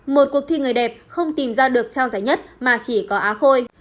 một cuộc thi người đẹp không tìm ra được trao giải nhất mà chỉ có á khôi